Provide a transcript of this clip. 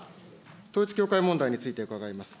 統一教会問題について伺います。